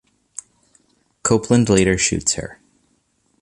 Copeland later shoots her.